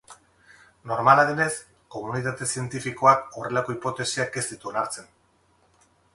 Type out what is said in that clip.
Normala denez, komunitate zientifikoak horrelako hipotesiak ez ditu onartzen.